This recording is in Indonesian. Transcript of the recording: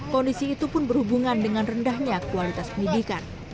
kondisi itu pun berhubungan dengan rendahnya kualitas pendidikan